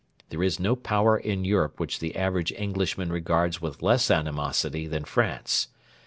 There is no Power in Europe which the average Englishman regards with less animosity than France.